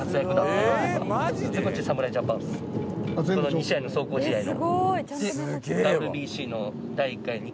２試合の壮行試合の。